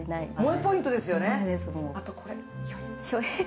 萌えポイントですよね。